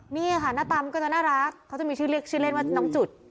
นี่ค่ะหน้าตำก็จะน่ารักเขาจะมีชื่อเล่นว่าน้องจุด